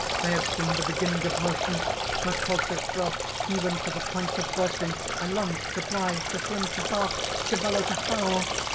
I have seen the beginning of motion! My pulses throb even to the point of bursting! I long to fly, to swim, to bark, to bellow, to howl!